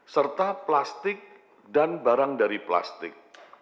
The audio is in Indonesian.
serta plastik dan barang dari plastik